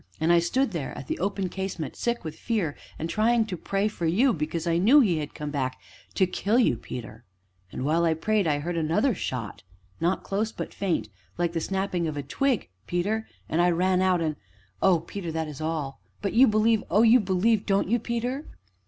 And I stood there at the open casement sick with fear, and trying to pray for you because I knew he had come back to kill you, Peter, and, while I prayed, I heard another shot not close, but faint like the snapping of a twig, Peter and I ran out and oh, Peter! that is all but you believe oh! you believe, don't you, Peter?"